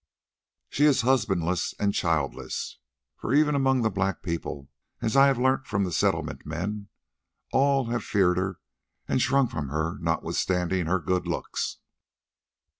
She is husbandless and childless, for even among the black people, as I have learnt from the Settlement men, all have feared her and shrunk from her notwithstanding her good looks.